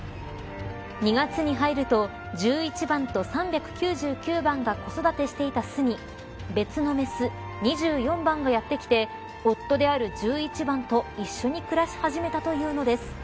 ２月に入ると１１番と３９９番が子育てしていた巣に別のメス２４番がやってきて夫である１１番と一緒に暮らし始めたというのです。